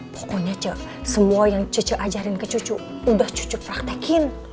pokoknya cak semua yang cece ajarin ke cucu udah cucu praktekin